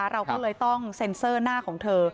เราก็เลยต้องเซ็นเซอร์หน้าของเธอ